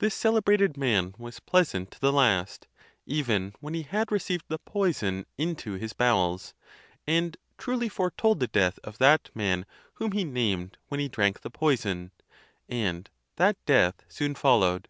This celebrated man was pleasant to the last, even when he had received the poison into his bowels, and truly fore told the death of that man whom he named when he drank the poison, and that death soon followed.